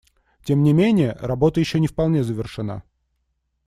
Тем не менее, работа еще не вполне завершена.